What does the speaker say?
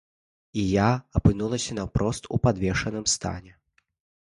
І я апынулася наўпрост у падвешаным стане.